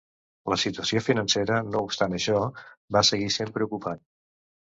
La situació financera, no obstant això, va seguir sent preocupant.